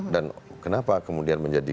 dan kenapa kemudian menjadi